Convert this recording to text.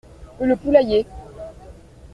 Le poulailler.